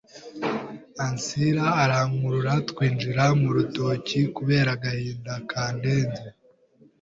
Ansira arankurura twinjira murutoki kubera agahinda kandenze